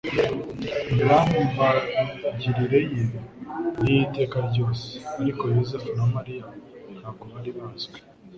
imirambagirire ye ni iy'iteka ryose." ArikoYosefu na Mariya ntabwo bari bazwi,